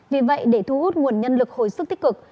vì vậy để thu hút nguồn nhân lực hồi sức tích cực